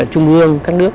trung ương các nước